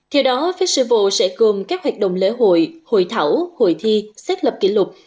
theo đó festival sẽ gồm các hoạt động lễ hội hội thảo hội thi xét lập kỷ lục